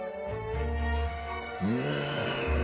うん！